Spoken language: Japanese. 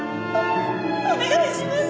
お願いします。